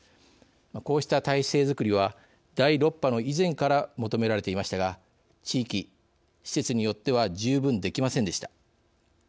こうした体制づくりは第６波の以前から求められていましたが地域・施設によっては十分できませんでした。